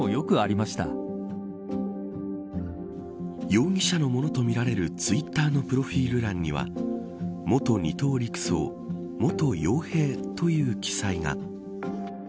容疑者のものとみられるツイッターのプロフィル欄には元二等陸曹、元傭兵という記載が。